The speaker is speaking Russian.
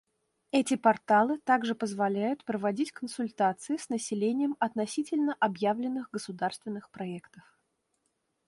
Эти порталы также позволяют проводить консультации с населением относительно объявленных государственных проектов.